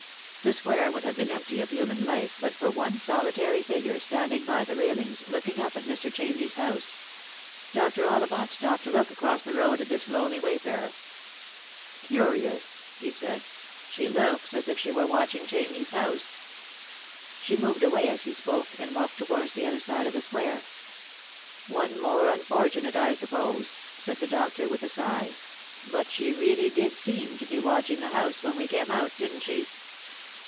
The square would have been empty of human life but for one solitary figure standing by the railings, looking up at Mr. Chamney's house. Dr. Ollivant stopped to look across the road at this lonely wayfarer. " Curious," he said ;" she looks as if she were watching Chamney's house." She moved away as he spoke, and walked towards the other side of the square. "' One more unfortunate,' I suppose," said the doctor with a sigh ;" but she really did seem to be watching the house when we came out, didn't she